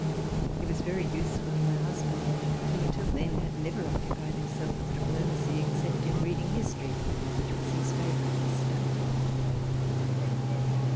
He was very useful to my husband, who until then had never occupied him self with diplomacy, except in reading history which was his favorite study.